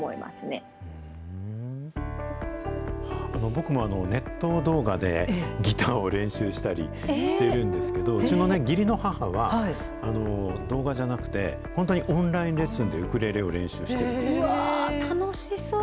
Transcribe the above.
僕もネット動画でギターを練習したりしてるんですけど、うちのね、義理の母は動画じゃなくて、本当にオンラインレッスンで、うわぁ、楽しそう。